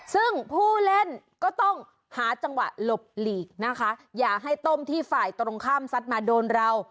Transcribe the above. ซึ่งผู้เล่นก็ต้องหาจังหวะหลบหลีกนะคะอย่าให้ต้มที่ฝ่ายตรงข้ามซัดมาโดนเรา